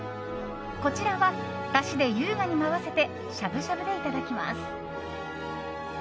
こちらは、だしで優雅に舞わせてしゃぶしゃぶでいただきます。